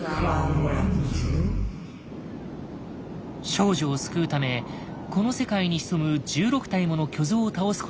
少女を救うためこの世界に潜む１６体もの巨像を倒すことになったワンダ。